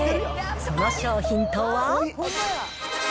その商品とは。